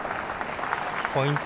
ポイント